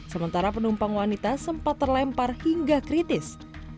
sementara penumpang wanita sempat terlempar hingga kritis